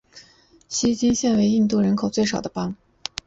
锡金现为印度人口最少的邦。